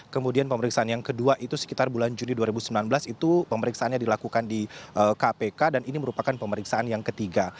kemudian pemeriksaan yang kedua itu sekitar bulan juni dua ribu sembilan belas itu pemeriksaannya dilakukan di kpk dan ini merupakan pemeriksaan yang ketiga